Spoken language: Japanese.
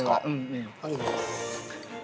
◆ありがとうございます。